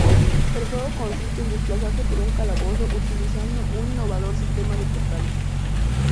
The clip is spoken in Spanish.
El juego consiste en desplazarse por un calabozo utilizando un innovador sistema de portales.